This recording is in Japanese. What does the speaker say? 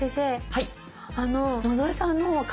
はい。